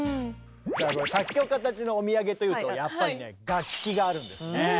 さあ作曲家たちのお土産というとやっぱりね楽器があるんですね。